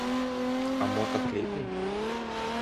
А мо так лепей?